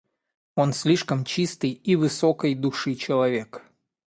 Он слишком чистый и высокой души человек.